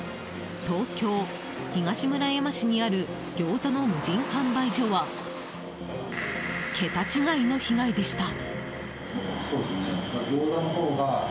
東京・東村山市にあるギョーザの無人販売所は桁違いの被害でした。